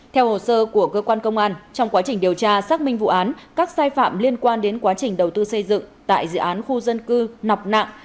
theo hồ sơ của cơ quan công an trong quá trình điều tra xác minh vụ án các sai phạm liên quan đến quá trình đầu tư xây dựng tại dự án khu dân cư nọc nạng